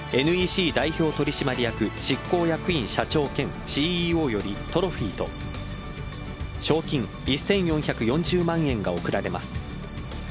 ＮＥＣ代表取締役執行役員社長兼ＣＥＯよりトロフィーと賞金１４４０万円が贈られます。